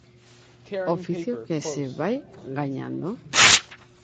Oficio que se vai gañando?